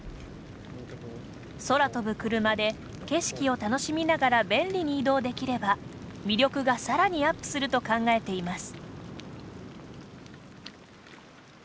空飛ぶクルマで景色を楽しみながら便利に移動できれば魅力がさらにアップすると考えています。